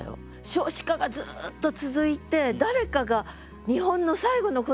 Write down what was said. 少子化がずっと続いて誰かが日本の最後のこどもになる日が来る。